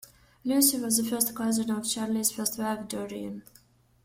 Lucy was the first cousin of Charles' first wife Doreen.